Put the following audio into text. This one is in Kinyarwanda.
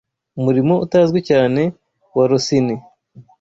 umurimo utazwi cyane wa Rossini